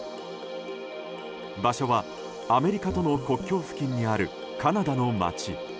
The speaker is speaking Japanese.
場所はアメリカとの国境付近にあるカナダの町。